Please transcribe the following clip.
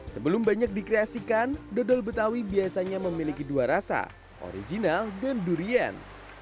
sebelum banyak dikreasikan dodol betawi biasanya memiliki dua rasa original dan durian